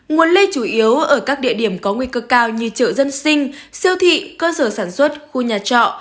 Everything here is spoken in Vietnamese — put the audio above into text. nguồn lây chủ yếu ở các địa điểm có nguy cơ cao như chợ dân sinh siêu thị cơ sở sản xuất khu nhà trọ